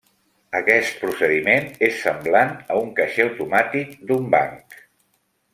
Aquest procediment és semblant a un caixer automàtic d'un banc.